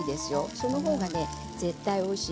そのほうが絶対においしい。